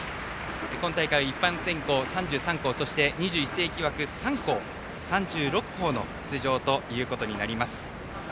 今大会は一般選考３３校２１世紀枠３校３６校の出場となります。